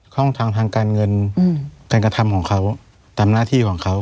ห้องทางทางการเงินการกระทำของเขาตามหน้าที่ของเขา